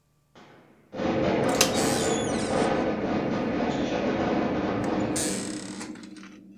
উইকেট-রক্ষণের দায়িত্বের বাইরে থাকলে তা ক্যাচ হিসেবে গণ্য করা হয়নি।